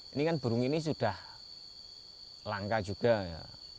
ini kan burung ini sudah langka juga ya